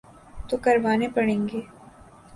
تو کروانے پڑیں گے۔